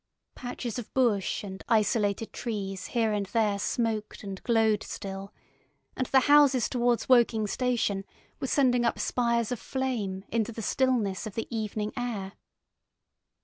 Patches of bush and isolated trees here and there smoked and glowed still, and the houses towards Woking station were sending up spires of flame into the stillness of the evening air.